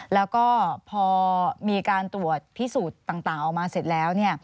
แล้วก็พอมีการตรวจพิสูจน์ต่างออกมาเสร็จแล้ว